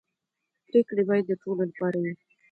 پرېکړې باید د ټولو لپاره وي